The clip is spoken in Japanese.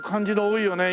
いいよね。